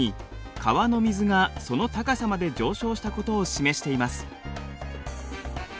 川の水がその高さまで上昇したことを示しています。